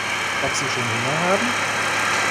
Ob sie schon Hunger haben?